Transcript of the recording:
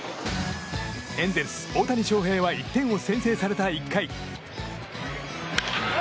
エンゼルス、大谷翔平は１点を先制された１回。